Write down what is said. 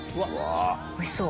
おいしそう！